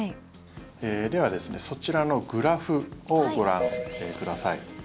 では、そちらのグラフをご覧ください。